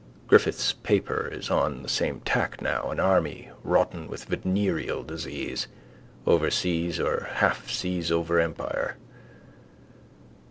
Griffith's paper is on the same tack now: an army rotten with venereal disease: overseas or halfseasover empire.